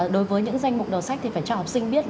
đối với những danh mục đầu sách thì phải cho học sinh biết